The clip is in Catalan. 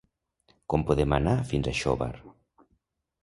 Com podem anar fins a Xóvar?